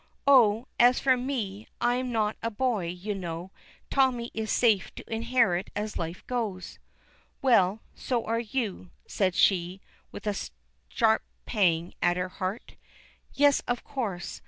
"Oh, as for me, I'm not a boy, you know. Tommy is safe to inherit as life goes." "Well, so are you," said she, with a sharp pang at her heart. "Yes, of course.